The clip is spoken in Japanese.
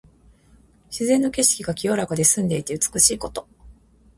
自然の景色が清らかで澄んでいて美しいこと。